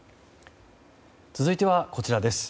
続いては、こちらです。